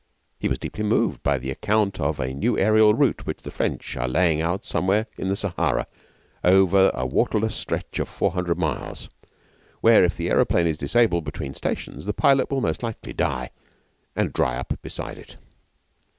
He was deeply moved by the account of a new aerial route which the French are laying out somewhere in the Sahara over a waterless stretch of four hundred miles, where if the aeroplane is disabled between stations the pilot will most likely die and dry up beside it.